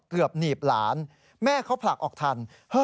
หนีบหลานแม่เขาผลักออกทัน